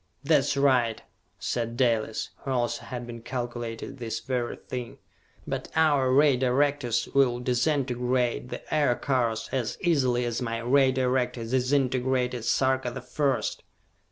"That's right," said Dalis, who also had been calculating this very thing, "but our Ray Directors will disintegrate the Aircars as easily as my Ray Director disintegrated Sarka the First!"